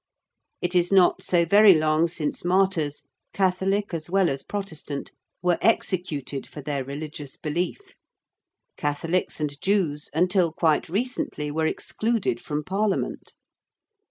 It is not so very long since martyrs Catholic as well as Protestant were executed for their religious belief: Catholics and Jews until quite recently were excluded from Parliament.